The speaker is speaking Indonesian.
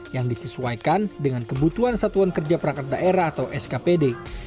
yang disesuaikan dengan kebutuhan satuan kerja prakerdaerah atau skpd